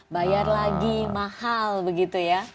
bayar lagi mahal begitu ya